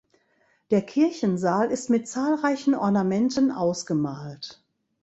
Der Kirchensaal ist mit zahlreichen Ornamenten ausgemalt.